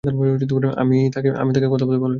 আমি কথা বলতে ভালোবাসি।